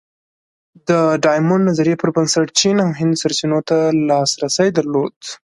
د ډایمونډ نظریې پر بنسټ چین او هند سرچینو ته لاسرسی درلود.